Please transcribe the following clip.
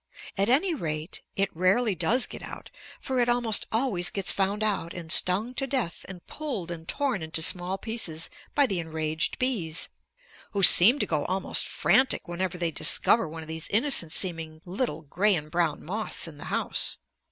At any rate it rarely does get out. For it almost always gets found out and stung to death and pulled and torn into small pieces by the enraged bees, who seem to go almost frantic whenever they discover one of these innocent seeming little gray and brown moths in the house.